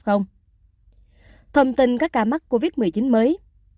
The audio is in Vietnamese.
thông tin các ca mắc covid một mươi chín mới